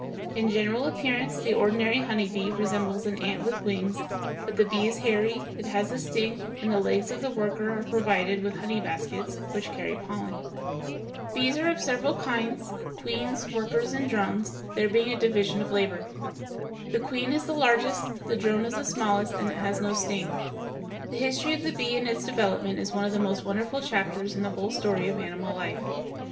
In general appearance the ordinary honeybee resembles an ant with wings; but the bee is hairy, it has a sting, and the legs of the worker are provided with "honey baskets," which carry pollen. [Illustration: FIG. 249. Bees: a, queen; b, drone; c, worker.] [Illustration: FIG. 250. Sting of a bee.] Bees are of several kinds, queens, workers, and drones, there being a division of labor. The queen is the largest, the drone is the smallest, and it has no sting. The history of the bee and its development is one of the most wonderful chapters in the whole story of animal life.